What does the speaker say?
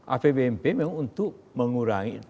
apbnp memang untuk mengurangi